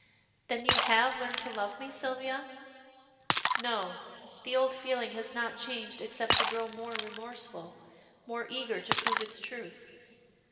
"Then you have learned to love me, Sylvia?" "No, the old feeling has not changed except to grow more remorseful, more eager to prove its truth.